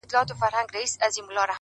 زه نه كړم گيله اشــــــــــــنا ـ